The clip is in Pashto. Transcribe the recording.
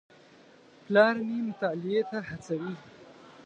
پلار مې مطالعې ته هڅوي.